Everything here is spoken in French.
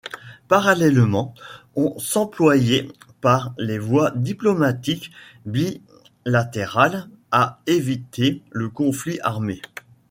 Parallèlement, on s’employait par les voies diplomatiques bilatérales à éviter le conflit armé.